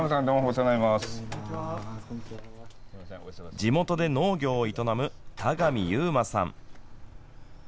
地元で農業を営む田上侑磨さん。